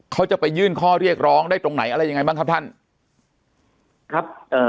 เขาจะไปยื่นข้อเรียกร้องได้ตรงไหนอะไรยังไงบ้างครับท่านครับเอ่อ